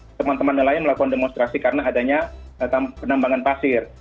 itu teman teman yang lain melakukan demonstrasi karena adanya penambangan pasir